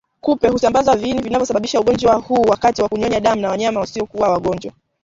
Kupe husambaza viini vinavyosababisha ugonjwa huu wakati wa kunyonya damu ya wanyama wasiokuwa wagonjwa